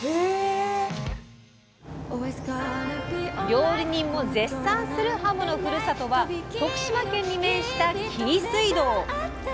料理人も絶賛するはものふるさとは徳島県に面した紀伊水道。